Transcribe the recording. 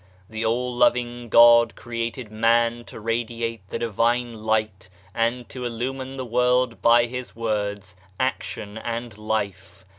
The All Loving God created man to radiate the Divine Light and to illumine the world by his words, action and life.